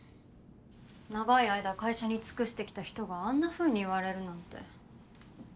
長い間会社に尽くしてきた人があんなふうに言われるなんて。